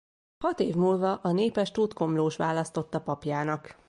Hat év múlva a népes Tótkomlós választotta papjának.